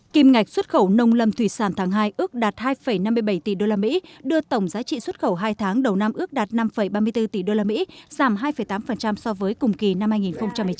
kim ngạch xuất khẩu nông lâm thủy sản tháng hai ước đạt hai năm mươi bảy tỷ usd đưa tổng giá trị xuất khẩu hai tháng đầu năm ước đạt năm ba mươi bốn tỷ usd giảm hai tám so với cùng kỳ năm hai nghìn một mươi chín